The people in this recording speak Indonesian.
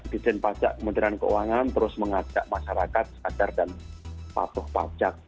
dijen pajak kementerian keuangan terus mengajak masyarakat sadar dan patuh pajak